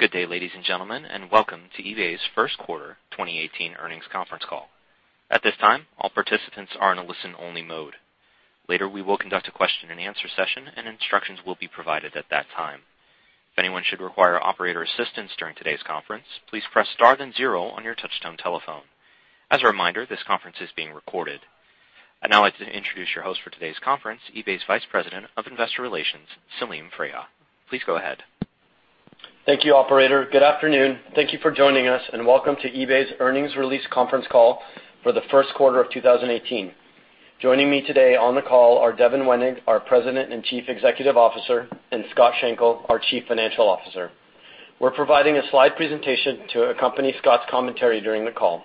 Good day, ladies and gentlemen, and welcome to eBay's first quarter 2018 earnings conference call. At this time, all participants are in a listen-only mode. Later, we will conduct a question and answer session, and instructions will be provided at that time. If anyone should require operator assistance during today's conference, please press star then zero on your touch-tone telephone. As a reminder, this conference is being recorded. I'd now like to introduce your host for today's conference, eBay's Vice President of Investor Relations, Selim Freiha. Please go ahead. Thank you, operator. Good afternoon. Thank you for joining us, and welcome to eBay's earnings release conference call for the first quarter of 2018. Joining me today on the call are Devin Wenig, our President and Chief Executive Officer, and Scott Schenkel, our Chief Financial Officer. We're providing a slide presentation to accompany Scott's commentary during the call.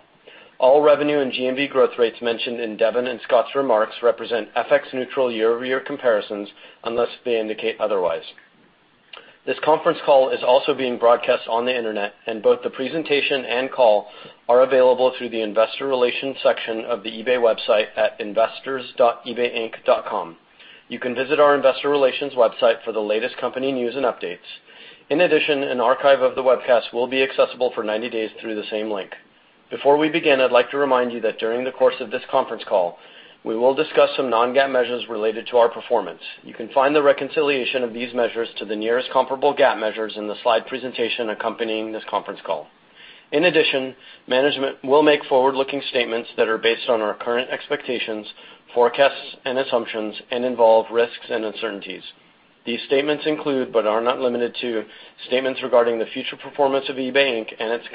All revenue and GMV growth rates mentioned in Devin and Scott's remarks represent FX-neutral year-over-year comparisons unless they indicate otherwise. This conference call is also being broadcast on the Internet, and both the presentation and call are available through the investor relations section of the eBay website at investors.ebayinc.com. You can visit our investor relations website for the latest company news and updates. In addition, an archive of the webcast will be accessible for 90 days through the same link. Before we begin, I'd like to remind you that during the course of this conference call, we will discuss some non-GAAP measures related to our performance. You can find the reconciliation of these measures to the nearest comparable GAAP measures in the slide presentation accompanying this conference call. In addition, management will make forward-looking statements that are based on our current expectations, forecasts, and assumptions, and involve risks and uncertainties. These statements include, but are not limited to, statements regarding the future performance of eBay Inc. and its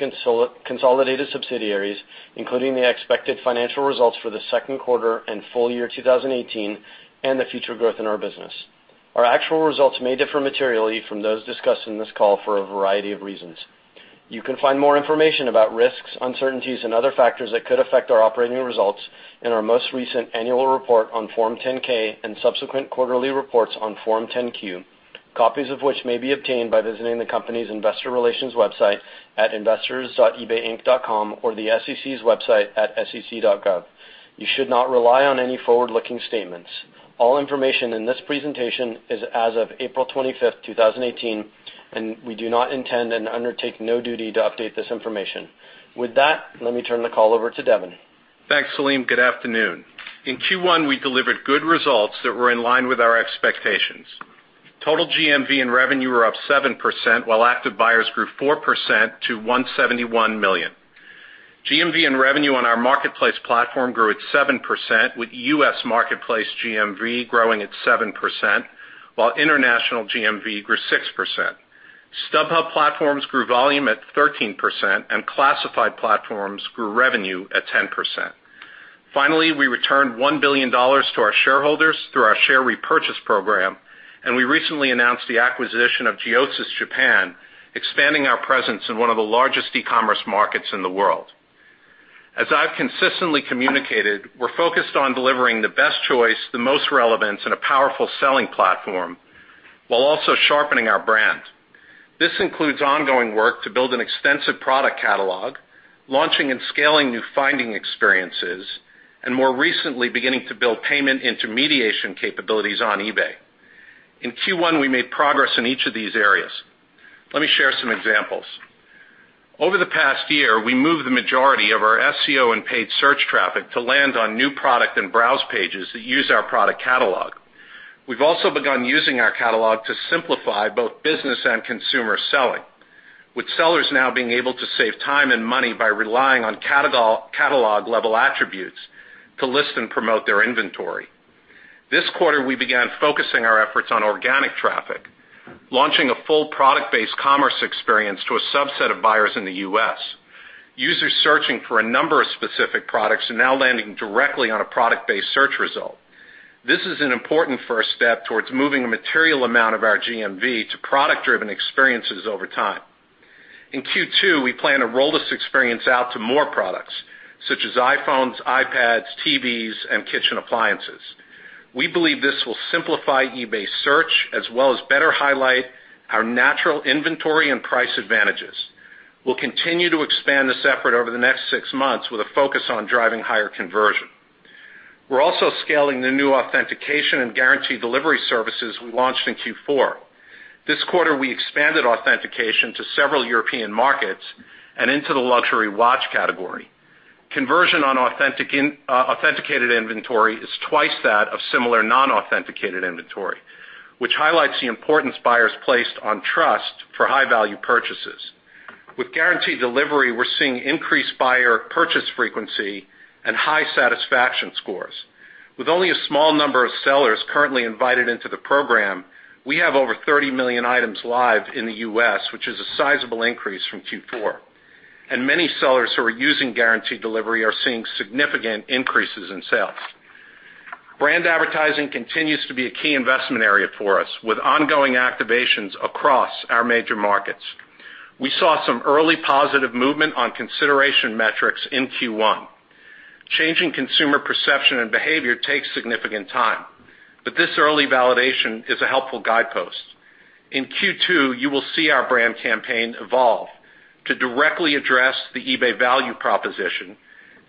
consolidated subsidiaries, including the expected financial results for the second quarter and full year 2018, and the future growth in our business. Our actual results may differ materially from those discussed in this call for a variety of reasons. You can find more information about risks, uncertainties, and other factors that could affect our operating results in our most recent annual report on Form 10-K and subsequent quarterly reports on Form 10-Q, copies of which may be obtained by visiting the company's investor relations website at investors.ebayinc.com or the SEC's website at sec.gov. You should not rely on any forward-looking statements. All information in this presentation is as of April 25th, 2018, and we do not intend and undertake no duty to update this information. With that, let me turn the call over to Devin. Thanks, Selim. Good afternoon. In Q1, we delivered good results that were in line with our expectations. Total GMV and revenue were up 7%, while active buyers grew 4% to 171 million. GMV and revenue on our marketplace platform grew at 7%, with U.S. marketplace GMV growing at 7%, while international GMV grew 6%. StubHub platforms grew volume at 13%, and classified platforms grew revenue at 10%. Finally, we returned $1 billion to our shareholders through our share repurchase program, and we recently announced the acquisition of Giosis Japan, expanding our presence in one of the largest e-commerce markets in the world. As I've consistently communicated, we're focused on delivering the best choice, the most relevance, and a powerful selling platform while also sharpening our brand. This includes ongoing work to build an extensive product catalog, launching and scaling new finding experiences, and more recently, beginning to build payment intermediation capabilities on eBay. In Q1, we made progress in each of these areas. Let me share some examples. Over the past year, we moved the majority of our SEO and paid search traffic to land on new product and browse pages that use our product catalog. We've also begun using our catalog to simplify both business and consumer selling, with sellers now being able to save time and money by relying on catalog-level attributes to list and promote their inventory. This quarter, we began focusing our efforts on organic traffic, launching a full product-based commerce experience to a subset of buyers in the U.S. Users searching for a number of specific products are now landing directly on a product-based search result. This is an important first step towards moving a material amount of our GMV to product-driven experiences over time. In Q2, we plan to roll this experience out to more products, such as iPhones, iPads, TVs, and kitchen appliances. We believe this will simplify eBay search as well as better highlight our natural inventory and price advantages. We'll continue to expand this effort over the next six months with a focus on driving higher conversion. We're also scaling the new authentication and guaranteed delivery services we launched in Q4. This quarter, we expanded authentication to several European markets and into the luxury watch category. Conversion on authenticated inventory is twice that of similar non-authenticated inventory, which highlights the importance buyers placed on trust for high-value purchases. With guaranteed delivery, we're seeing increased buyer purchase frequency and high satisfaction scores. With only a small number of sellers currently invited into the program, we have over 30 million items live in the U.S., which is a sizable increase from Q4, and many sellers who are using guaranteed delivery are seeing significant increases in sales. Brand advertising continues to be a key investment area for us, with ongoing activations across our major markets. We saw some early positive movement on consideration metrics in Q1. Changing consumer perception and behavior takes significant time, this early validation is a helpful guidepost. In Q2, you will see our brand campaign evolve to directly address the eBay value proposition,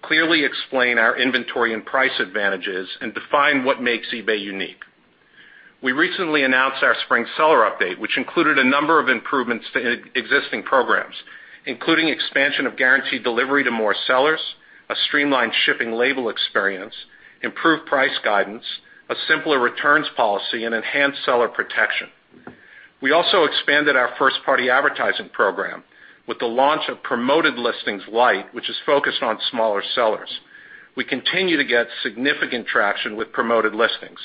clearly explain our inventory and price advantages, and define what makes eBay unique. We recently announced our spring seller update, which included a number of improvements to existing programs, including expansion of guaranteed delivery to more sellers, a streamlined shipping label experience, improved price guidance, a simpler returns policy, and enhanced seller protection. We also expanded our first-party advertising program with the launch of Promoted Listings Lite, which is focused on smaller sellers. We continue to get significant traction with Promoted Listings,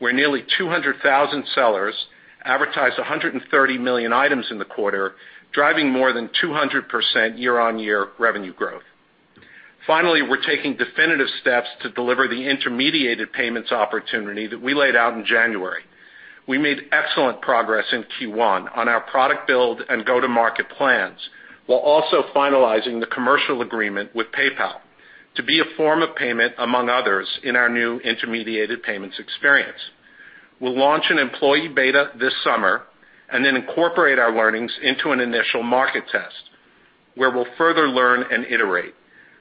where nearly 200,000 sellers advertised 130 million items in the quarter, driving more than 200% year-on-year revenue growth. Finally, we're taking definitive steps to deliver the intermediated payments opportunity that we laid out in January. We made excellent progress in Q1 on our product build and go-to-market plans, while also finalizing the commercial agreement with PayPal to be a form of payment among others in our new intermediated payments experience. We'll launch an employee beta this summer and then incorporate our learnings into an initial market test where we'll further learn and iterate.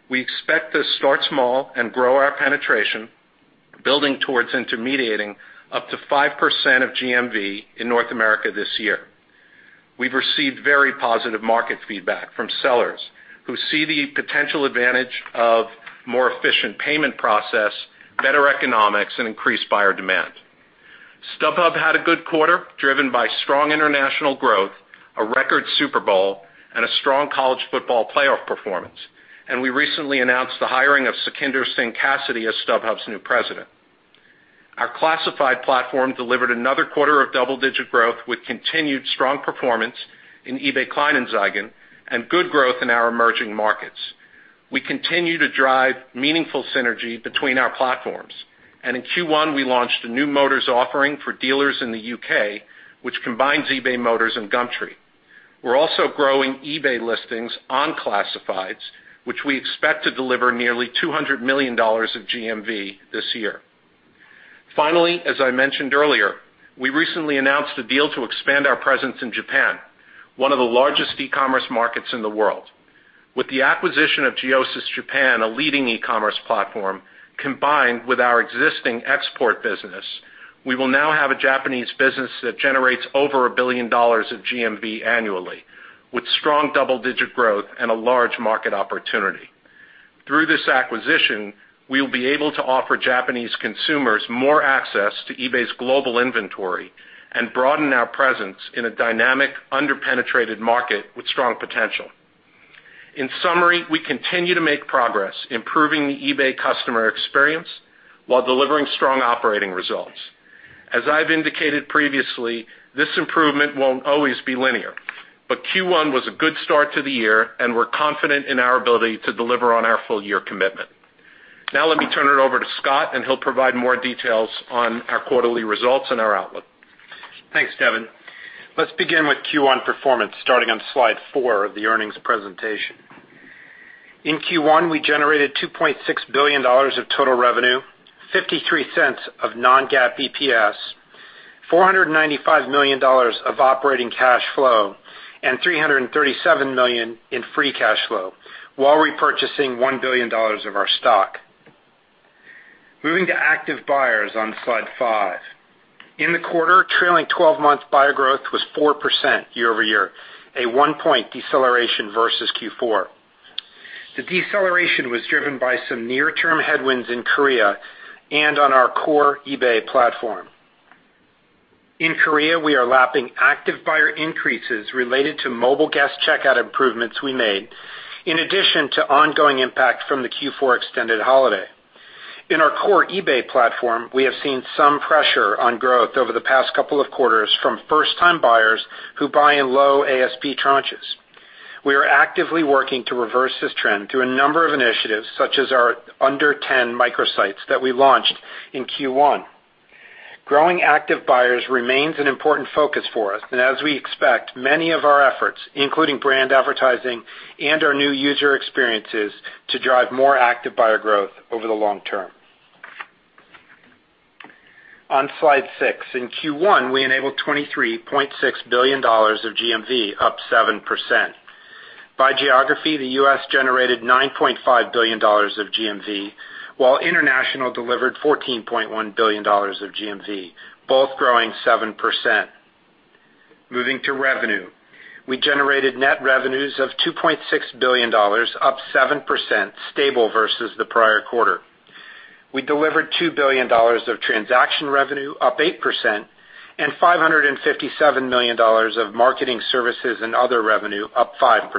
We expect to start small and grow our penetration, building towards intermediating up to 5% of GMV in North America this year. We've received very positive market feedback from sellers who see the potential advantage of more efficient payment process, better economics, and increased buyer demand. StubHub had a good quarter, driven by strong international growth, a record Super Bowl, and a strong college football playoff performance. We recently announced the hiring of Sukhinder Singh Cassidy as StubHub's new president. Our classified platform delivered another quarter of double-digit growth with continued strong performance in eBay Kleinanzeigen and good growth in our emerging markets. We continue to drive meaningful synergy between our platforms. In Q1, we launched a new motors offering for dealers in the U.K., which combines eBay Motors and Gumtree. We're also growing eBay listings on classifieds, which we expect to deliver nearly $200 million of GMV this year. Finally, as I mentioned earlier, we recently announced a deal to expand our presence in Japan, one of the largest e-commerce markets in the world. With the acquisition of Giosis Japan, a leading e-commerce platform, combined with our existing export business, we will now have a Japanese business that generates over a billion dollars of GMV annually, with strong double-digit growth and a large market opportunity. Through this acquisition, we will be able to offer Japanese consumers more access to eBay's global inventory and broaden our presence in a dynamic, under-penetrated market with strong potential. In summary, we continue to make progress improving the eBay customer experience while delivering strong operating results. As I've indicated previously, this improvement won't always be linear, but Q1 was a good start to the year, and we're confident in our ability to deliver on our full-year commitment. Now let me turn it over to Scott, and he'll provide more details on our quarterly results and our outlook. Thanks, Devin. Let's begin with Q1 performance, starting on slide four of the earnings presentation. In Q1, we generated $2.6 billion of total revenue, $0.53 of non-GAAP EPS, $495 million of operating cash flow, and $337 million in free cash flow while repurchasing $1 billion of our stock. Moving to active buyers on slide five. In the quarter, trailing 12-month buyer growth was 4% year-over-year, a one-point deceleration versus Q4. The deceleration was driven by some near-term headwinds in Korea and on our core eBay platform. In Korea, we are lapping active buyer increases related to mobile guest checkout improvements we made, in addition to ongoing impact from the Q4 extended holiday. In our core eBay platform, we have seen some pressure on growth over the past couple of quarters from first-time buyers who buy in low ASP tranches. We are actively working to reverse this trend through a number of initiatives, such as our Under 10 microsites that we launched in Q1. As we expect many of our efforts, including brand advertising and our new user experiences, to drive more active buyer growth over the long term. On slide six, in Q1, we enabled $23.6 billion of GMV, up 7%. By geography, the U.S. generated $9.5 billion of GMV, while international delivered $14.1 billion of GMV, both growing 7%. Moving to revenue, we generated net revenues of $2.6 billion, up 7%, stable versus the prior quarter. We delivered $2 billion of transaction revenue, up 8%, and $557 million of Marketing Services & Other revenue, up 5%.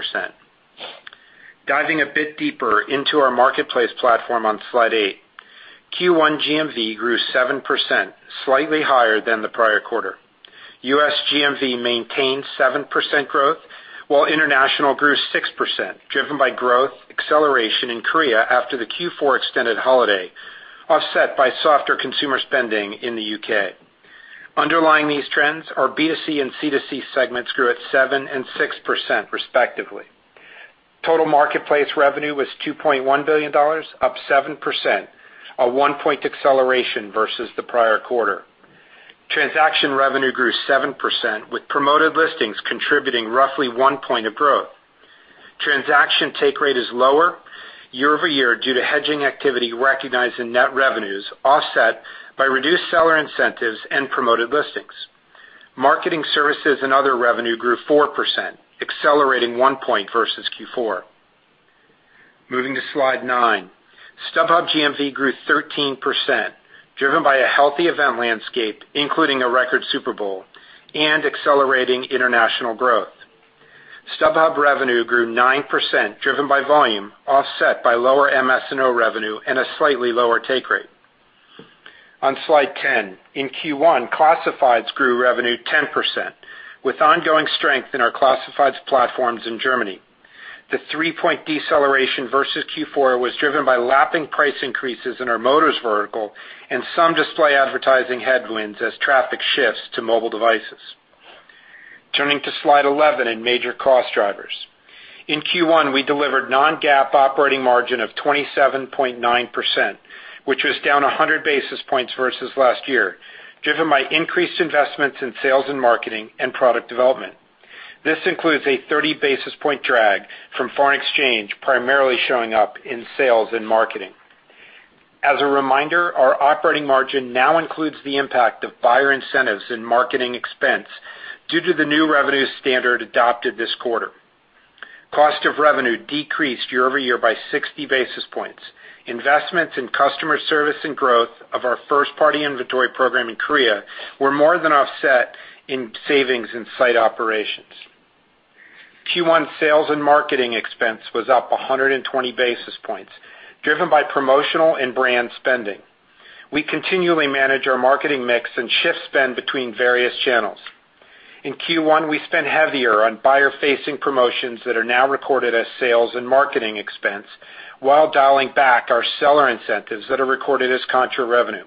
Diving a bit deeper into our marketplace platform on slide eight, Q1 GMV grew 7%, slightly higher than the prior quarter. U.S. GMV maintained 7% growth, while international grew 6%, driven by growth acceleration in Korea after the Q4 extended holiday, offset by softer consumer spending in the U.K. Underlying these trends, our B2C and C2C segments grew at 7% and 6% respectively. Total marketplace revenue was $2.1 billion, up 7%, a one-point acceleration versus the prior quarter. Transaction revenue grew 7%, with Promoted Listings contributing roughly one point of growth. Transaction take rate is lower year-over-year due to hedging activity recognized in net revenues offset by reduced seller incentives and Promoted Listings. Marketing Services & Other revenue grew 4%, accelerating one point versus Q4. Moving to slide nine. StubHub GMV grew 13%, driven by a healthy event landscape, including a record Super Bowl, and accelerating international growth. StubHub revenue grew 9%, driven by volume, offset by lower MS&O revenue and a slightly lower take rate. On slide 10. In Q1, Classifieds grew revenue 10%, with ongoing strength in our Classifieds platforms in Germany. The three-point deceleration versus Q4 was driven by lapping price increases in our Motors vertical and some display advertising headwinds as traffic shifts to mobile devices. Turning to slide 11 in major cost drivers. In Q1, we delivered non-GAAP operating margin of 27.9%, which was down 100 basis points versus last year, driven by increased investments in sales and marketing and product development. This includes a 30-basis-point drag from foreign exchange, primarily showing up in sales and marketing. As a reminder, our operating margin now includes the impact of buyer incentives and marketing expense due to the new revenue standard adopted this quarter. Cost of revenue decreased year-over-year by 60 basis points. Investments in customer service and growth of our first-party inventory program in Korea were more than offset in savings and site operations. Q1 sales and marketing expense was up 120 basis points, driven by promotional and brand spending. We continually manage our marketing mix and shift spend between various channels. In Q1, we spent heavier on buyer-facing promotions that are now recorded as sales and marketing expense while dialing back our seller incentives that are recorded as contra revenue.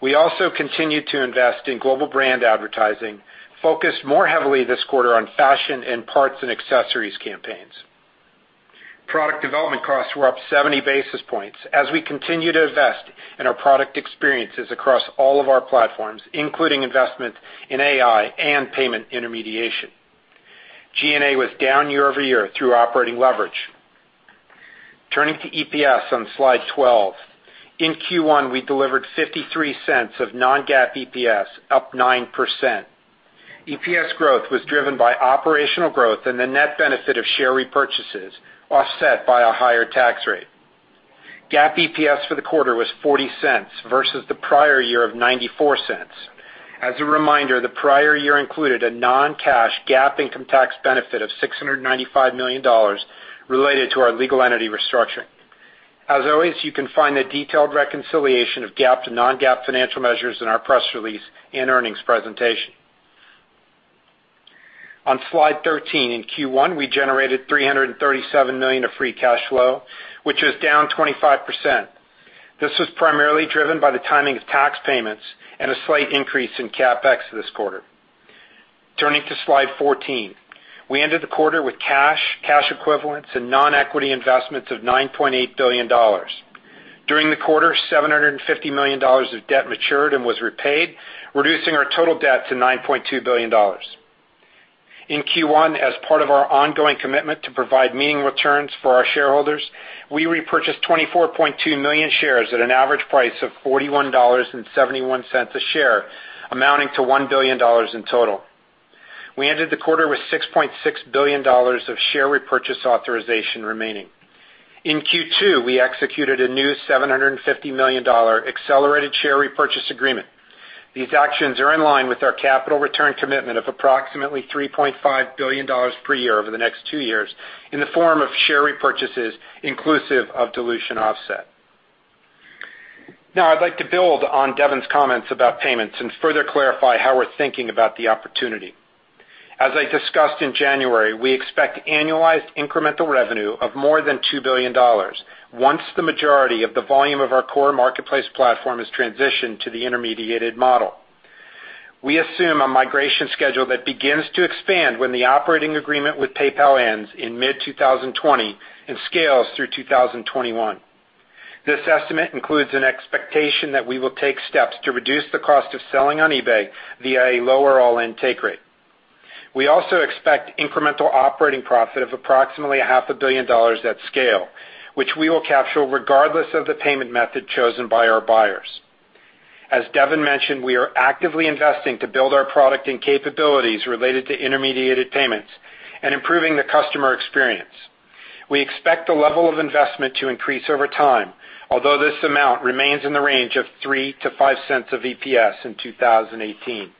We also continued to invest in global brand advertising, focused more heavily this quarter on fashion and parts and accessories campaigns. Product development costs were up 70 basis points as we continue to invest in our product experiences across all of our platforms, including investment in AI and payment intermediation. G&A was down year-over-year through operating leverage. Turning to EPS on slide 12. In Q1, we delivered $0.53 of non-GAAP EPS, up 9%. EPS growth was driven by operational growth and the net benefit of share repurchases, offset by a higher tax rate. GAAP EPS for the quarter was $0.40 versus the prior year of $0.94. As a reminder, the prior year included a non-cash GAAP income tax benefit of $695 million related to our legal entity restructure. As always, you can find the detailed reconciliation of GAAP to non-GAAP financial measures in our press release and earnings presentation. On slide 13, in Q1, we generated $337 million of free cash flow, which is down 25%. This was primarily driven by the timing of tax payments and a slight increase in CapEx this quarter. Turning to slide 14. We ended the quarter with cash equivalents, and non-equity investments of $9.8 billion. During the quarter, $750 million of debt matured and was repaid, reducing our total debt to $9.2 billion. In Q1, as part of our ongoing commitment to provide meaning returns for our shareholders, we repurchased 24.2 million shares at an average price of $41.71 a share, amounting to $1 billion in total. We ended the quarter with $6.6 billion of share repurchase authorization remaining. In Q2, we executed a new $750 million accelerated share repurchase agreement. These actions are in line with our capital return commitment of approximately $3.5 billion per year over the next two years in the form of share repurchases inclusive of dilution offset. Now I'd like to build on Devin's comments about payments and further clarify how we're thinking about the opportunity. As I discussed in January, we expect annualized incremental revenue of more than $2 billion once the majority of the volume of our core marketplace platform is transitioned to the intermediated model. We assume a migration schedule that begins to expand when the operating agreement with PayPal ends in mid-2020 and scales through 2021. This estimate includes an expectation that we will take steps to reduce the cost of selling on eBay via a lower all-in take rate. We also expect incremental operating profit of approximately $500 million at scale, which we will capture regardless of the payment method chosen by our buyers. As Devin mentioned, we are actively investing to build our product and capabilities related to intermediated payments and improving the customer experience. We expect the level of investment to increase over time, although this amount remains in the range of $0.03-$0.05 of EPS in 2018.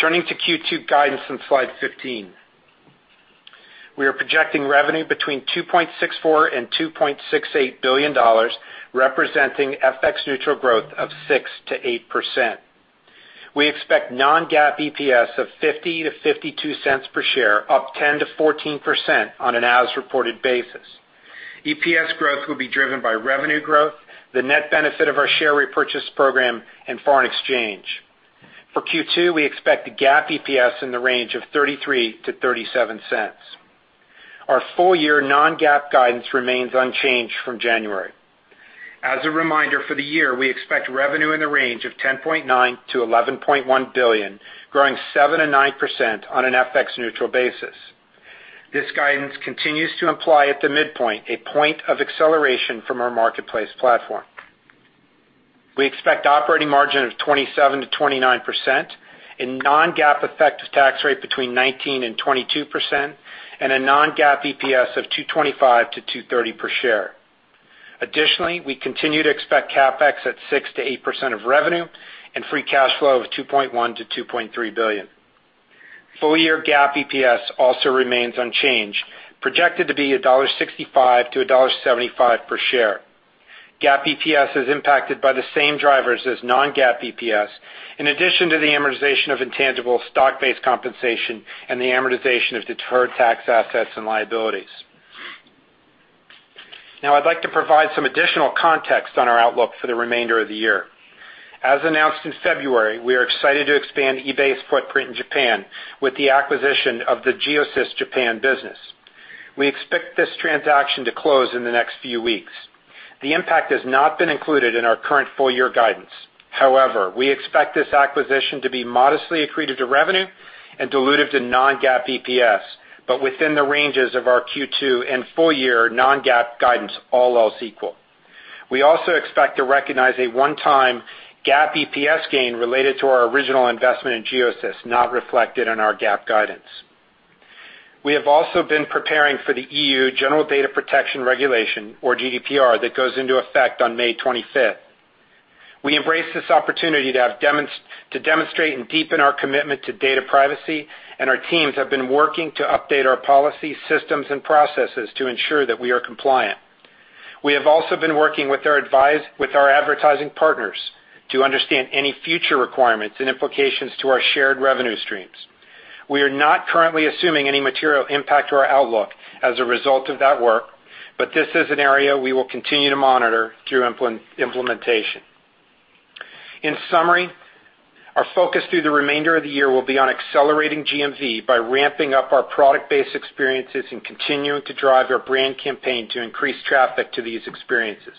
Turning to Q2 guidance on slide 15. We are projecting revenue between $2.64 billion and $2.68 billion, representing FX-neutral growth of 6% to 8%. We expect non-GAAP EPS of $0.50-$0.52 per share, up 10%-14% on an as-reported basis. EPS growth will be driven by revenue growth, the net benefit of our share repurchase program, and foreign exchange. For Q2, we expect a GAAP EPS in the range of $0.33-$0.37. Our full-year non-GAAP guidance remains unchanged from January. As a reminder, for the year, we expect revenue in the range of $10.9 billion-$11.1 billion, growing 7%-9% on an FX-neutral basis. This guidance continues to imply at the midpoint a point of acceleration from our marketplace platform. We expect operating margin of 27%-29%, a non-GAAP effective tax rate between 19% and 22%, and a non-GAAP EPS of $2.25-$2.30 per share. Additionally, we continue to expect CapEx at 6%-8% of revenue and free cash flow of $2.1 billion-$2.3 billion. Full-year GAAP EPS also remains unchanged, projected to be $1.65-$1.75 per share. GAAP EPS is impacted by the same drivers as non-GAAP EPS, in addition to the amortization of intangible stock-based compensation and the amortization of deferred tax assets and liabilities. Now I'd like to provide some additional context on our outlook for the remainder of the year. As announced in February, we are excited to expand eBay's footprint in Japan with the acquisition of the Giosis Japan business. We expect this transaction to close in the next few weeks. The impact has not been included in our current full-year guidance. However, we expect this acquisition to be modestly accretive to revenue and dilutive to non-GAAP EPS, but within the ranges of our Q2 and full-year non-GAAP guidance, all else equal. We also expect to recognize a one-time GAAP EPS gain related to our original investment in Giosis, not reflected in our GAAP guidance. We have also been preparing for the EU General Data Protection Regulation, or GDPR, that goes into effect on May 25th. We embrace this opportunity to demonstrate and deepen our commitment to data privacy, and our teams have been working to update our policy systems and processes to ensure that we are compliant. We have also been working with our advertising partners to understand any future requirements and implications to our shared revenue streams. We are not currently assuming any material impact to our outlook as a result of that work, but this is an area we will continue to monitor through implementation. In summary, our focus through the remainder of the year will be on accelerating GMV by ramping up our product-based experiences and continuing to drive our brand campaign to increase traffic to these experiences.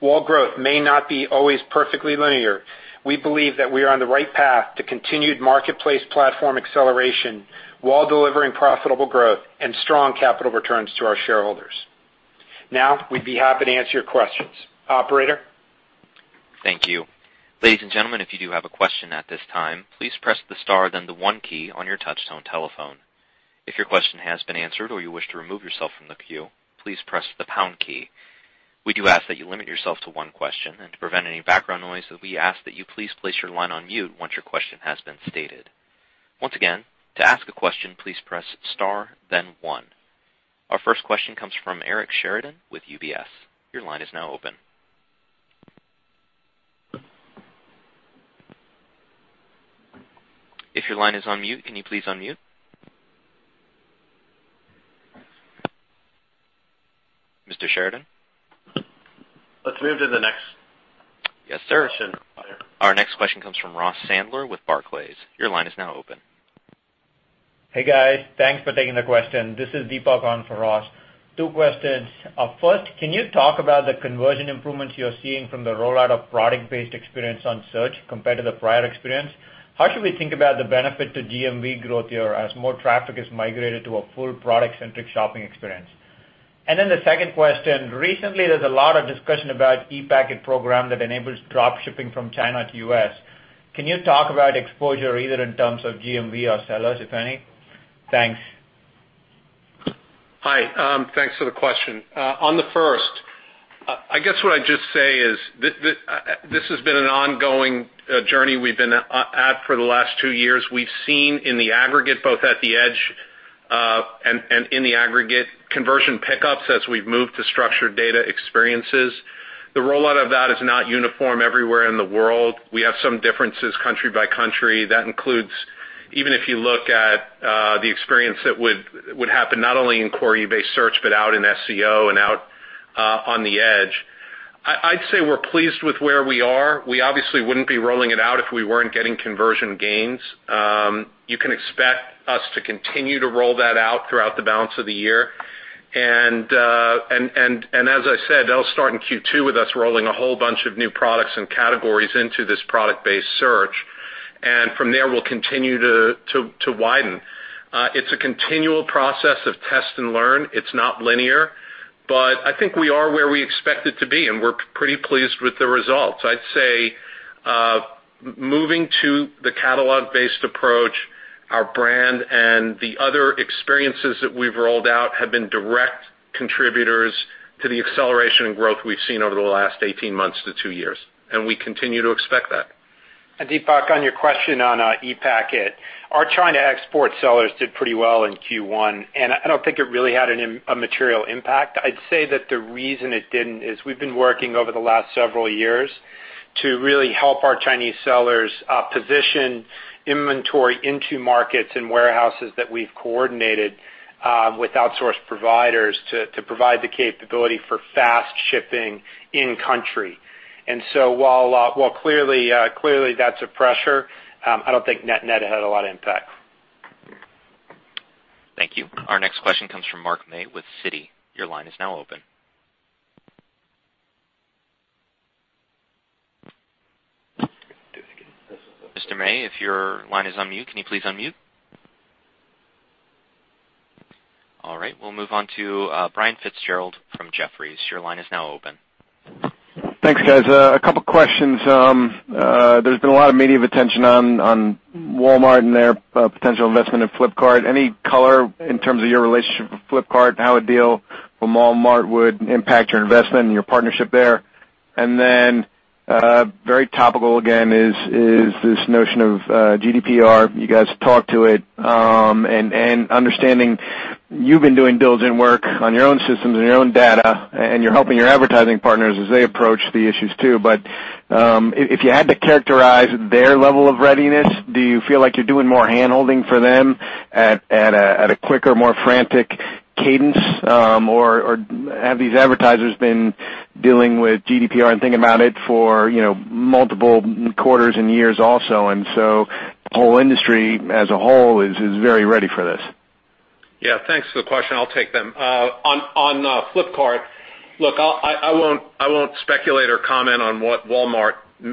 While growth may not be always perfectly linear, we believe that we are on the right path to continued marketplace platform acceleration while delivering profitable growth and strong capital returns to our shareholders. Now, we would be happy to answer your questions. Operator? Thank you. Ladies and gentlemen, if you do have a question at this time, please press the star then the one key on your touch-tone telephone. If your question has been answered or you wish to remove yourself from the queue, please press the pound key. We do ask that you limit yourself to one question, and to prevent any background noise, we ask that you please place your line on mute once your question has been stated. Once again, to ask a question, please press star then one. Our first question comes from Eric Sheridan with UBS. Your line is now open. If your line is on mute, can you please unmute? Mr. Sheridan? Let's move to the next. Yes, sir. Question. Our next question comes from Ross Sandler with Barclays. Your line is now open. Hey, guys. Thanks for taking the question. This is Deepak on for Ross. Two questions. First, can you talk about the conversion improvements you're seeing from the rollout of product-based experience on Search compared to the prior experience? How should we think about the benefit to GMV growth here as more traffic is migrated to a full product-centric shopping experience? The second question, recently, there's a lot of discussion about ePacket program that enables drop shipping from China to U.S. Can you talk about exposure either in terms of GMV or sellers, if any? Thanks. Hi, thanks for the question. On the first, I guess what I'd just say is this has been an ongoing journey we've been at for the last two years. We've seen in the aggregate, both at the edge and in the aggregate conversion pickups as we've moved to structured data experiences. The rollout of that is not uniform everywhere in the world. We have some differences country by country. That includes even if you look at the experience that would happen not only in query-based search, but out in SEO and out on the edge. I'd say we're pleased with where we are. We obviously wouldn't be rolling it out if we weren't getting conversion gains. You can expect us to continue to roll that out throughout the balance of the year. As I said, that'll start in Q2 with us rolling a whole bunch of new products and categories into this product-based search. From there, we'll continue to widen. It's a continual process of test and learn. It's not linear, but I think we are where we expected to be, and we're pretty pleased with the results. I'd say moving to the catalog-based approach, our brand and the other experiences that we've rolled out have been direct contributors to the acceleration and growth we've seen over the last 18 months to two years, and we continue to expect that. Deepak, on your question on ePacket, our China export sellers did pretty well in Q1, and I don't think it really had a material impact. I'd say that the reason it didn't is we've been working over the last several years to really help our Chinese sellers position inventory into markets and warehouses that we've coordinated with outsourced providers to provide the capability for fast shipping in country. While clearly that's a pressure, I don't think net had a lot of impact. Thank you. Our next question comes from Mark May with Citi. Your line is now open. Mr. May, if your line is on mute, can you please unmute? All right. We'll move on to Brian Fitzgerald from Jefferies. Your line is now open. Thanks, guys. A couple questions. There's been a lot of media attention on Walmart and their potential investment in Flipkart. Any color in terms of your relationship with Flipkart, how a deal from Walmart would impact your investment and your partnership there? Very topical again is this notion of GDPR. You guys talked to it, and understanding you've been doing diligent work on your own systems and your own data, and you're helping your advertising partners as they approach the issues too. But if you had to characterize their level of readiness, do you feel like you're doing more handholding for them at a quicker, more frantic cadence? Or have these advertisers been dealing with GDPR and thinking about it for multiple quarters and years also, and so the whole industry as a whole is very ready for this? Yeah. Thanks for the question. I'll take them. On Flipkart, look, I won't speculate or comment on what Walmart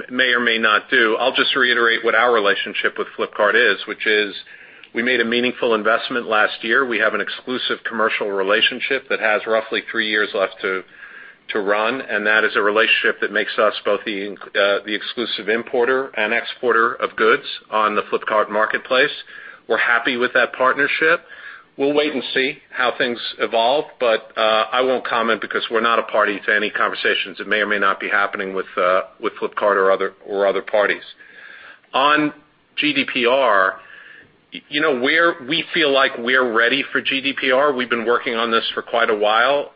may or may not do. I'll just reiterate what our relationship with Flipkart is, which is we made a meaningful investment last year. We have an exclusive commercial relationship that has roughly three years left to run. That is a relationship that makes us both the exclusive importer and exporter of goods on the Flipkart marketplace. We're happy with that partnership. We'll wait and see how things evolve, but I won't comment because we're not a party to any conversations that may or may not be happening with Flipkart or other parties. On GDPR, we feel like we're ready for GDPR. We've been working on this for quite a while.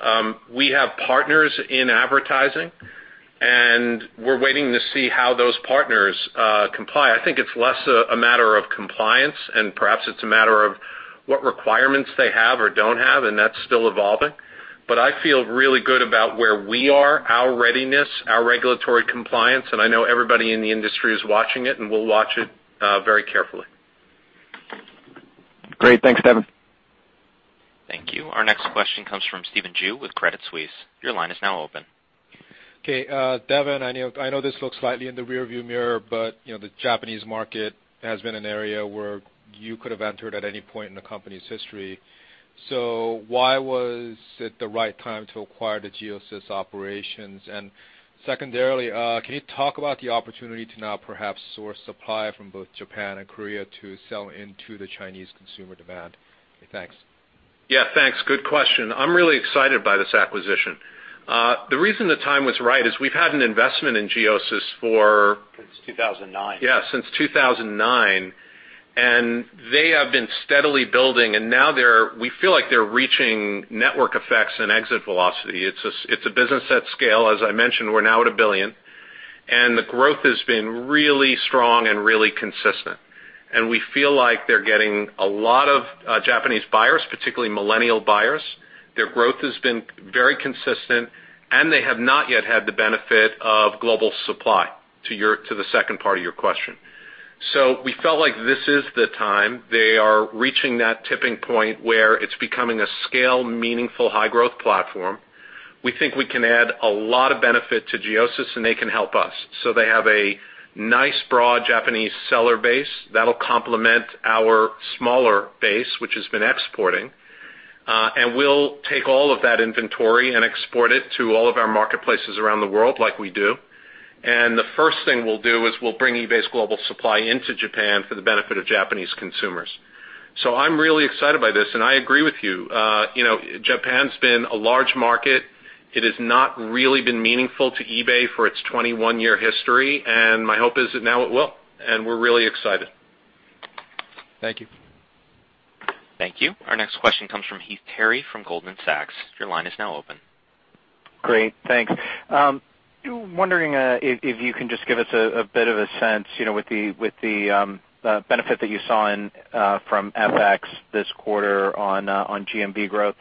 We have partners in advertising. We're waiting to see how those partners comply. I think it's less a matter of compliance. Perhaps it's a matter of what requirements they have or don't have, and that's still evolving. I feel really good about where we are, our readiness, our regulatory compliance. I know everybody in the industry is watching it. We'll watch it very carefully. Great. Thanks, Devin. Thank you. Our next question comes from Stephen Ju with Credit Suisse. Your line is now open. Okay. Devin, I know this looks slightly in the rearview mirror, but the Japanese market has been an area where you could have entered at any point in the company's history. Why was it the right time to acquire the Giosis operations? Secondarily, can you talk about the opportunity to now perhaps source supply from both Japan and Korea to sell into the Chinese consumer demand? Thanks. Yeah, thanks. Good question. I'm really excited by this acquisition. The reason the time was right is we've had an investment in Giosis. Since 2009. Yeah, since 2009. They have been steadily building, and now we feel like they're reaching network effects and exit velocity. It's a business at scale. As I mentioned, we're now at $1 billion, and the growth has been really strong and really consistent. We feel like they're getting a lot of Japanese buyers, particularly millennial buyers. Their growth has been very consistent, and they have not yet had the benefit of global supply, to the second part of your question. We felt like this is the time. They are reaching that tipping point where it's becoming a scale, meaningful, high-growth platform. We think we can add a lot of benefit to Giosis, and they can help us. They have a nice broad Japanese seller base that'll complement our smaller base, which has been exporting. We'll take all of that inventory and export it to all of our marketplaces around the world like we do. The first thing we'll do is we'll bring eBay's global supply into Japan for the benefit of Japanese consumers. I'm really excited by this, and I agree with you. Japan's been a large market. It has not really been meaningful to eBay for its 21-year history, and my hope is that now it will, and we're really excited. Thank you. Thank you. Our next question comes from Heath Terry from Goldman Sachs. Your line is now open. Great. Thanks. Wondering if you can just give us a bit of a sense with the benefit that you saw from FX this quarter on GMV growth.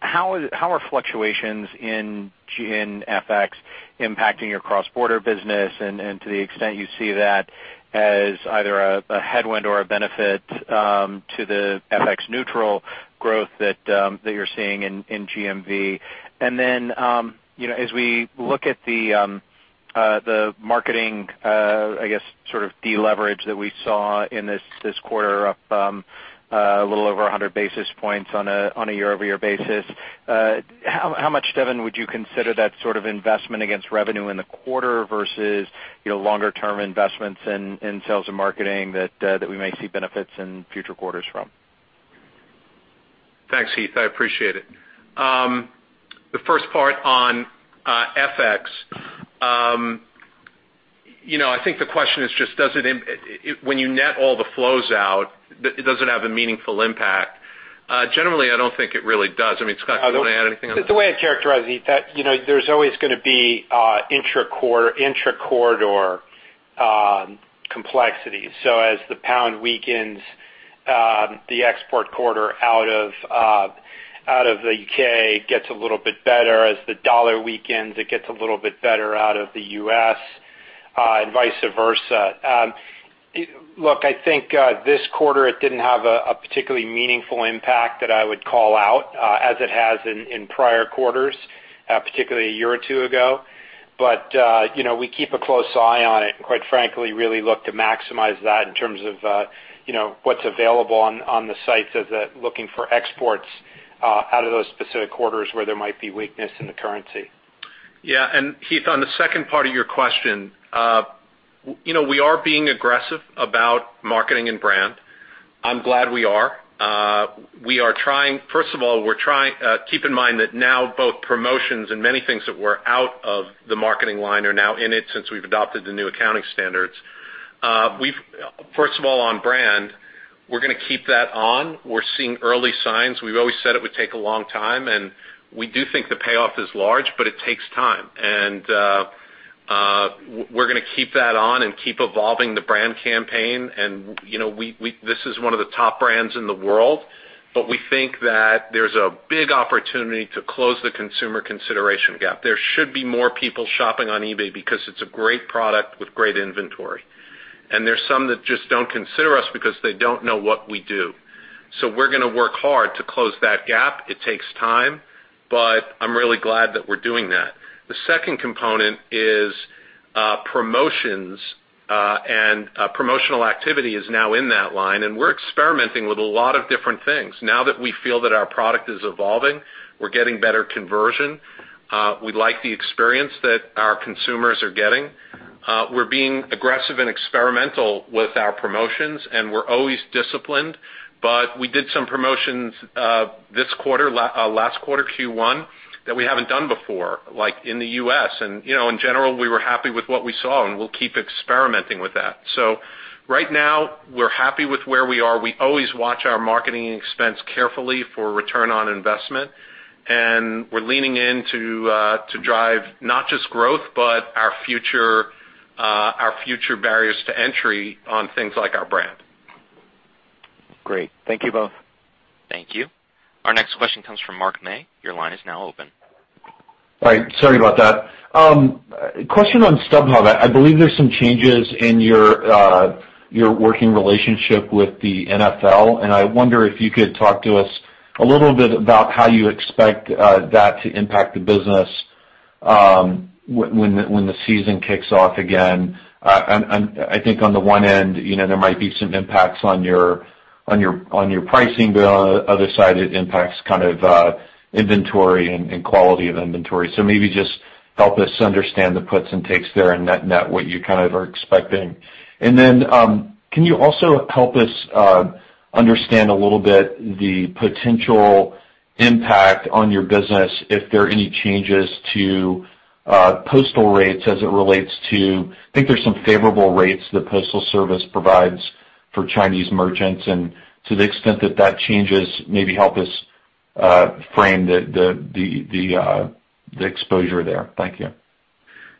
How are fluctuations in FX impacting your cross-border business? To the extent you see that as either a headwind or a benefit to the FX-neutral growth that you're seeing in GMV. Then as we look at the marketing, I guess sort of deleverage that we saw in this quarter up a little over 100 basis points on a year-over-year basis. How much, Devin, would you consider that sort of investment against revenue in the quarter versus longer-term investments in sales and marketing that we may see benefits in future quarters from? Thanks, Heath. I appreciate it. The first part on FX. I think the question is just when you net all the flows out, does it have a meaningful impact? Generally, I don't think it really does. Scott, do you want to add anything on this? The way I characterize it, Heath, there's always going to be intracorridor complexities. As the pound weakens, the export corridor out of the U.K. gets a little bit better. As the dollar weakens, it gets a little bit better out of the U.S. and vice versa. Look, I think this quarter it didn't have a particularly meaningful impact that I would call out as it has in prior quarters, particularly a year or two ago. We keep a close eye on it, and quite frankly, really look to maximize that in terms of what's available on the sites as they're looking for exports out of those specific quarters where there might be weakness in the currency. Heath, on the second part of your question, we are being aggressive about marketing and brand. I'm glad we are. First of all, keep in mind that now both promotions and many things that were out of the marketing line are now in it since we've adopted the new accounting standards. First of all, on brand, we're going to keep that on. We're seeing early signs. We've always said it would take a long time, and we do think the payoff is large, but it takes time. We're going to keep that on and keep evolving the brand campaign. This is one of the top brands in the world, but we think that there's a big opportunity to close the consumer consideration gap. There should be more people shopping on eBay because it's a great product with great inventory. There's some that just don't consider us because they don't know what we do. We're going to work hard to close that gap. It takes time, but I'm really glad that we're doing that. The second component is promotions, promotional activity is now in that line, and we're experimenting with a lot of different things. Now that we feel that our product is evolving, we're getting better conversion. We like the experience that our consumers are getting. We're being aggressive and experimental with our promotions, and we're always disciplined, but we did some promotions this quarter, last quarter, Q1, that we haven't done before, like in the U.S. In general, we were happy with what we saw, and we'll keep experimenting with that. Right now, we're happy with where we are. We always watch our marketing expense carefully for return on investment, we're leaning in to drive not just growth, but our future barriers to entry on things like our brand. Great. Thank you both. Thank you. Our next question comes from Mark May. Your line is now open. Hi. Sorry about that. Question on StubHub. I believe there's some changes in your working relationship with the NFL. I wonder if you could talk to us a little bit about how you expect that to impact the business when the season kicks off again. I think on the one end, there might be some impacts on your pricing, but on the other side, it impacts kind of inventory and quality of inventory. Maybe just help us understand the puts and takes there and net what you kind of are expecting. Can you also help us understand a little bit the potential impact on your business if there are any changes to postal rates as it relates to, I think there's some favorable rates the Postal Service provides for Chinese merchants, and to the extent that that changes, maybe help us frame the exposure there. Thank you.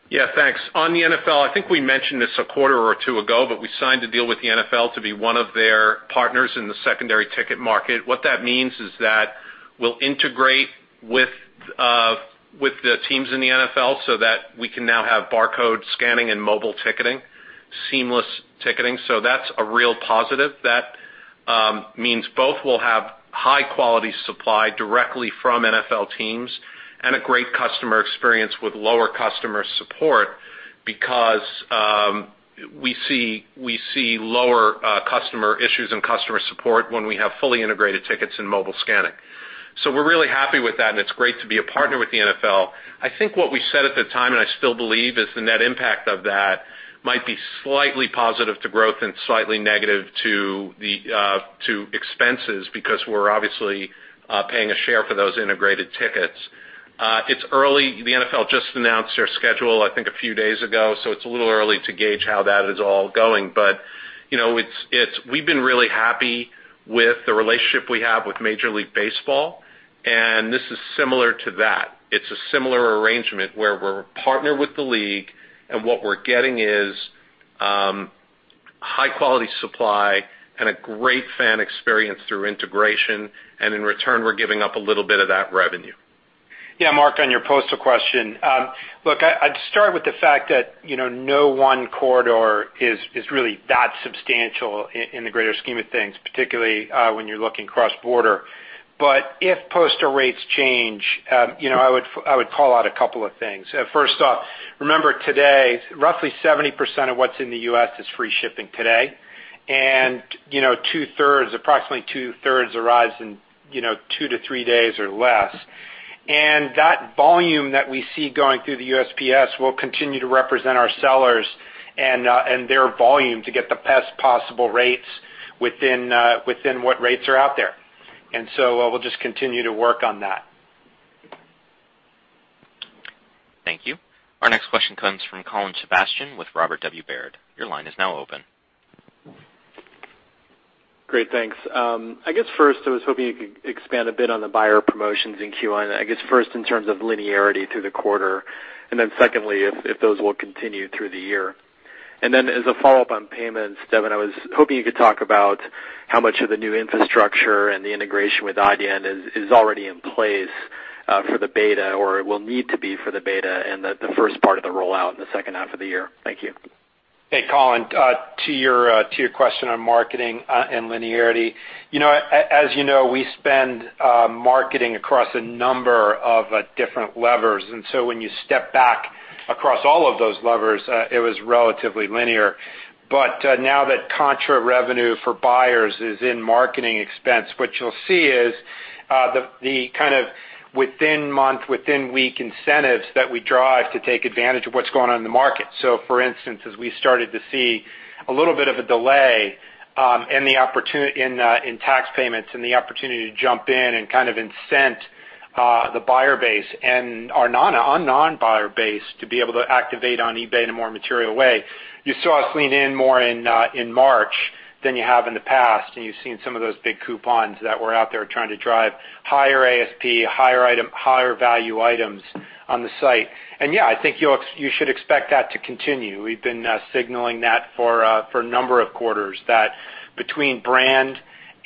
Yeah, thanks. On the NFL, I think we mentioned this a quarter or two ago. We signed a deal with the NFL to be one of their partners in the secondary ticket market. What that means is that we'll integrate with the teams in the NFL so that we can now have barcode scanning and mobile ticketing, seamless ticketing. That's a real positive. That means both we'll have high-quality supply directly from NFL teams and a great customer experience with lower customer support because we see lower customer issues and customer support when we have fully integrated tickets and mobile scanning. We're really happy with that, and it's great to be a partner with the NFL. I think what we said at the time, I still believe, is the net impact of that might be slightly positive to growth and slightly negative to expenses because we're obviously paying a share for those integrated tickets. It's early. The NFL just announced their schedule, I think, a few days ago. It's a little early to gauge how that is all going. We've been really happy with the relationship we have with Major League Baseball. This is similar to that. It's a similar arrangement where we're partnered with the league, and what we're getting is high-quality supply and a great fan experience through integration. In return, we're giving up a little bit of that revenue. Yeah, Mark, on your postal question. Look, I'd start with the fact that no one corridor is really that substantial in the greater scheme of things, particularly when you're looking cross-border. If postal rates change, I would call out a couple of things. First off, remember today, roughly 70% of what's in the U.S. is free shipping today. Approximately two-thirds arrives in two to three days or less. That volume that we see going through the USPS will continue to represent our sellers and their volume to get the best possible rates within what rates are out there. We'll just continue to work on that. Thank you. Our next question comes from Colin Sebastian with Robert W. Baird. Your line is now open. Great. Thanks. I guess first, I was hoping you could expand a bit on the buyer promotions in Q1, I guess first in terms of linearity through the quarter, and then secondly, if those will continue through the year. As a follow-up on payments, Devin, I was hoping you could talk about how much of the new infrastructure and the integration with Adyen is already in place for the beta, or will need to be for the beta and the first part of the rollout in the second half of the year. Thank you. Hey, Colin. To your question on marketing and linearity. As you know, we spend marketing across a number of different levers. When you step back across all of those levers, it was relatively linear. Now that contra revenue for buyers is in marketing expense, what you'll see is the kind of within month, within week incentives that we drive to take advantage of what's going on in the market. For instance, as we started to see a little bit of a delay in tax payments and the opportunity to jump in and kind of incent the buyer base and our non-buyer base to be able to activate on eBay in a more material way. You saw us lean in more in March than you have in the past, and you've seen some of those big coupons that were out there trying to drive higher ASP, higher value items on the site. Yeah, I think you should expect that to continue. We've been signaling that for a number of quarters, that between brand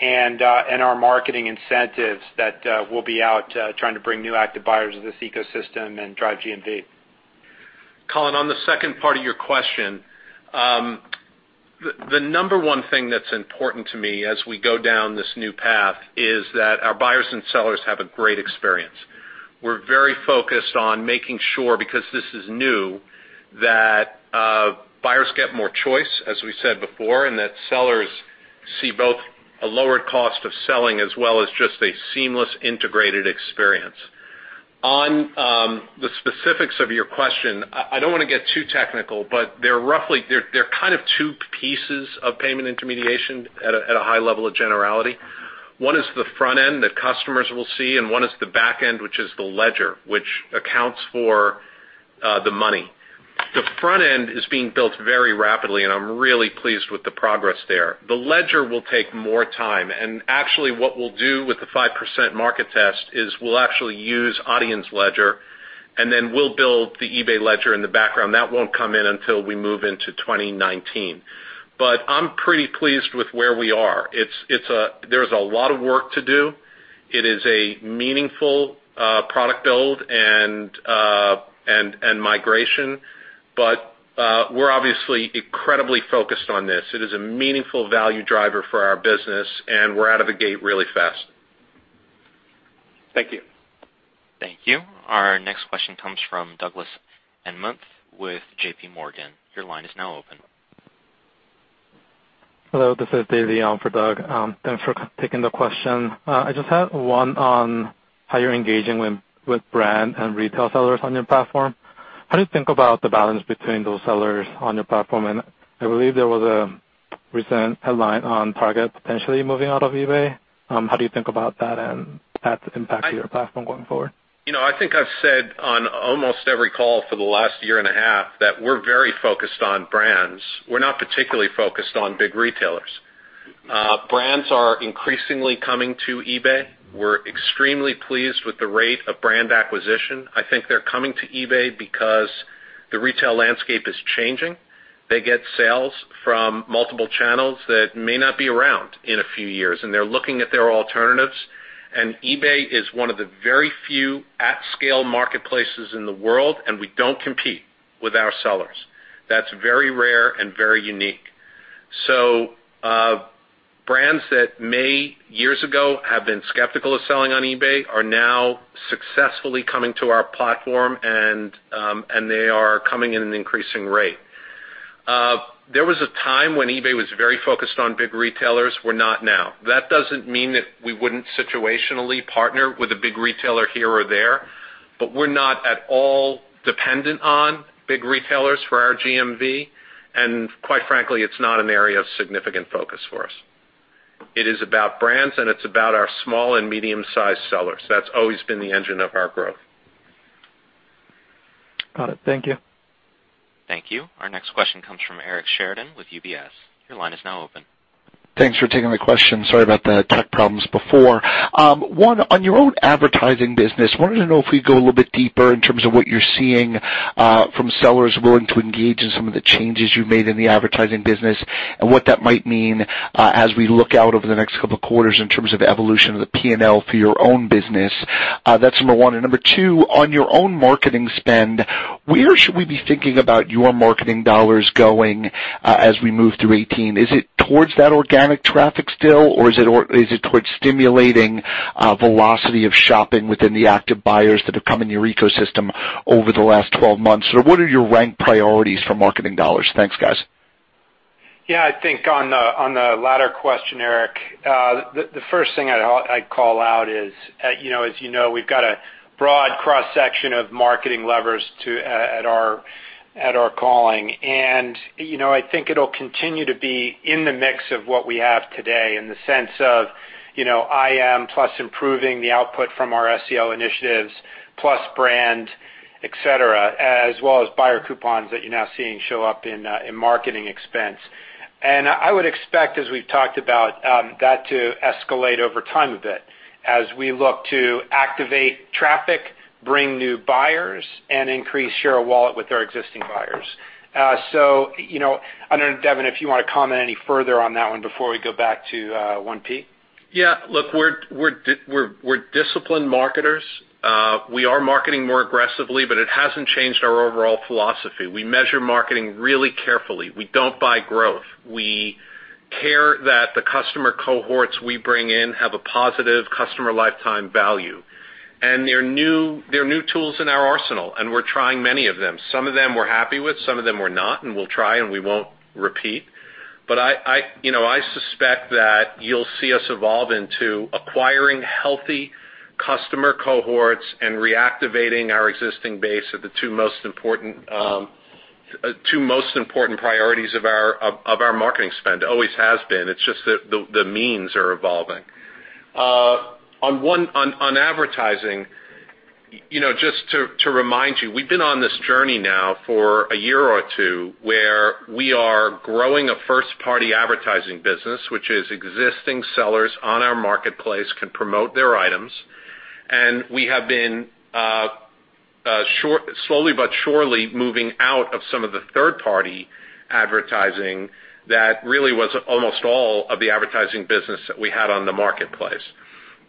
and our marketing incentives, that we'll be out trying to bring new active buyers to this ecosystem and drive GMV. Colin, on the second part of your question, the number one thing that's important to me as we go down this new path is that our buyers and sellers have a great experience. We're very focused on making sure, because this is new, that buyers get more choice, as we said before, and that sellers see both a lower cost of selling as well as just a seamless integrated experience. On the specifics of your question, I don't want to get too technical, but they're kind of two pieces of payment intermediation at a high level of generality. One is the front end that customers will see, and one is the back end, which is the ledger, which accounts for the money. The front end is being built very rapidly, and I'm really pleased with the progress there. The ledger will take more time. What we'll do with the 5% market test is we'll actually use Adyen's ledger, and then we'll build the eBay ledger in the background. That won't come in until we move into 2019. I'm pretty pleased with where we are. There's a lot of work to do. It is a meaningful product build and migration. We're obviously incredibly focused on this. It is a meaningful value driver for our business. We're out of the gate really fast. Thank you. Thank you. Our next question comes from Douglas Anmuth with J.P. Morgan. Your line is now open. Hello, this is Davy on for Doug. Thanks for taking the question. I just had one on how you're engaging with brand and retail sellers on your platform. How do you think about the balance between those sellers on your platform? I believe there was a recent headline on Target potentially moving out of eBay. How do you think about that and that impact to your platform going forward? I think I've said on almost every call for the last year and a half that we're very focused on brands. We're not particularly focused on big retailers. Brands are increasingly coming to eBay. We're extremely pleased with the rate of brand acquisition. I think they're coming to eBay because the retail landscape is changing. They get sales from multiple channels that may not be around in a few years, and they're looking at their alternatives. eBay is one of the very few at-scale marketplaces in the world, and we don't compete with our sellers. That's very rare and very unique. Brands that may years ago have been skeptical of selling on eBay are now successfully coming to our platform, and they are coming at an increasing rate. There was a time when eBay was very focused on big retailers, we're not now. That doesn't mean that we wouldn't situationally partner with a big retailer here or there, but we're not at all dependent on big retailers for our GMV, and quite frankly, it's not an area of significant focus for us. It is about brands, and it's about our small and medium-sized sellers. That's always been the engine of our growth. Got it. Thank you. Thank you. Our next question comes from Eric Sheridan with UBS. Your line is now open. Thanks for taking my question. Sorry about the tech problems before. One, on your own advertising business, wanted to know if we could go a little bit deeper in terms of what you're seeing from sellers willing to engage in some of the changes you've made in the advertising business and what that might mean as we look out over the next couple of quarters in terms of evolution of the P&L for your own business. That's number 1. Number 2, on your own marketing spend, where should we be thinking about your marketing dollars going as we move through 2018? Is it towards that organic traffic still, or is it towards stimulating velocity of shopping within the active buyers that have come in your ecosystem over the last 12 months? What are your rank priorities for marketing dollars? Thanks, guys. Yeah, I think on the latter question, Eric, the first thing I'd call out is, as you know, we've got a broad cross-section of marketing levers at our calling. I think it'll continue to be in the mix of what we have today in the sense of SEM plus improving the output from our SEO initiatives, plus brand, et cetera, as well as buyer coupons that you're now seeing show up in marketing expense. I would expect, as we've talked about, that to escalate over time a bit as we look to activate traffic, bring new buyers, and increase share of wallet with our existing buyers. I don't know, Devin, if you want to comment any further on that one before we go back to 1P. Yeah. Look, we're disciplined marketers. We are marketing more aggressively, but it hasn't changed our overall philosophy. We measure marketing really carefully. We don't buy growth. We care that the customer cohorts we bring in have a positive customer lifetime value. There are new tools in our arsenal, and we're trying many of them. Some of them we're happy with, some of them we're not, and we'll try and we won't repeat. I suspect that you'll see us evolve into acquiring healthy customer cohorts and reactivating our existing base are the two most important priorities of our marketing spend. Always has been. It's just that the means are evolving. On advertising, just to remind you, we've been on this journey now for a year or two, where we are growing a first-party advertising business, which is existing sellers on our marketplace can promote their items. We have been slowly but surely moving out of some of the third-party advertising that really was almost all of the advertising business that we had on the marketplace.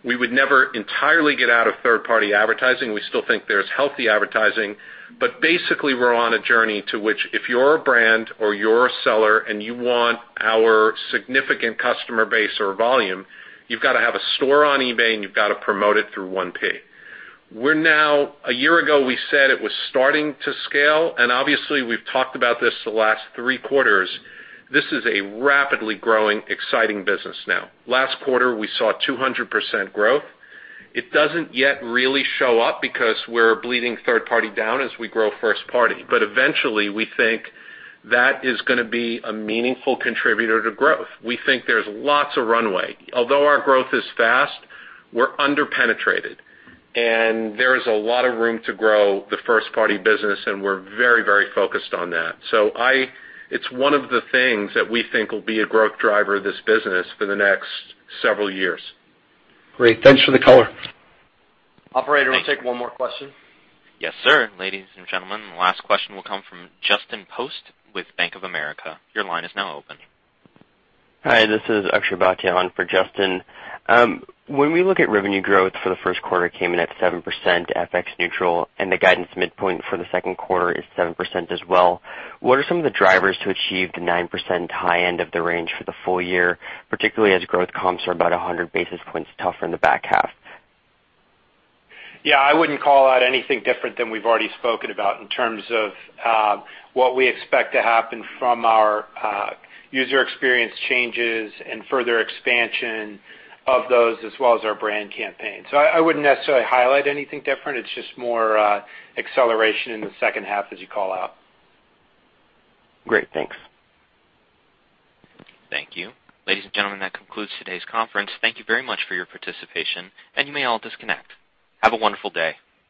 We would never entirely get out of third-party advertising. We still think there's healthy advertising. Basically, we're on a journey to which if you're a brand or you're a seller and you want our significant customer base or volume, you've got to have a store on eBay, and you've got to promote it through 1P. A year ago, we said it was starting to scale, and obviously, we've talked about this the last three quarters. This is a rapidly growing, exciting business now. Last quarter, we saw 200% growth. It doesn't yet really show up because we're bleeding third party down as we grow first party. Eventually, we think that is going to be a meaningful contributor to growth. We think there's lots of runway. Although our growth is fast, we're under-penetrated, and there is a lot of room to grow the first-party business, and we're very focused on that. It's one of the things that we think will be a growth driver of this business for the next several years. Great. Thanks for the color. Operator, we'll take one more question. Yes, sir. Ladies and gentlemen, the last question will come from Justin Post with Bank of America. Your line is now open. Hi, this is Akshay Bhatia on for Justin. When we look at revenue growth for the first quarter, it came in at 7% FX-neutral, and the guidance midpoint for the second quarter is 7% as well. What are some of the drivers to achieve the 9% high end of the range for the full year, particularly as growth comps are about 100 basis points tougher in the back half? Yeah, I wouldn't call out anything different than we've already spoken about in terms of what we expect to happen from our user experience changes and further expansion of those, as well as our brand campaign. I wouldn't necessarily highlight anything different. It's just more acceleration in the second half as you call out. Great. Thanks. Thank you. Ladies and gentlemen, that concludes today's conference. Thank you very much for your participation, and you may all disconnect. Have a wonderful day.